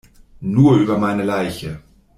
Nur über meine Leiche!